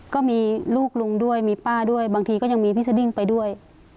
ก็มีลูกลุงด้วยมีป้าด้วยบางทีก็ยังมีพี่สดิ้งไปด้วย